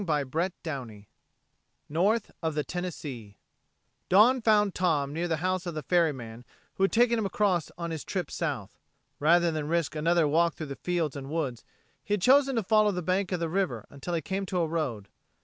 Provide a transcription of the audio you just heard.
CHAPTER EIGHTEEN NORTH OF THE TENNESSEE Dawn found Tom near the house of the ferryman who had taken him across on his trip South. Rather than risk another walk through fields and woods, he had chosen to follow the bank of the river until he came to a road.